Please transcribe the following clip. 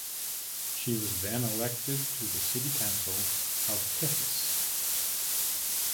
She was then elected to the city council of Tiflis.